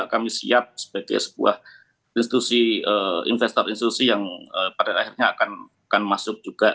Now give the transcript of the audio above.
kami siap sebagai sebuah institusi investor institusi yang pada akhirnya akan masuk juga